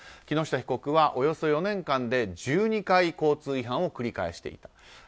木下被告はおよそ４年間で１２回、交通違反を繰り返していた。